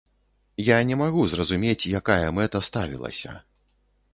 Я не магу зразумець, якая мэта ставілася.